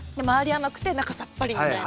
甘くて中さっぱりみたいな。